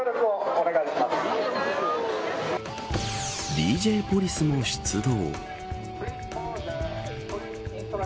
ＤＪポリスも出動。